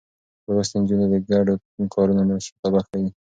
لوستې نجونې د ګډو کارونو مشرتابه ښيي.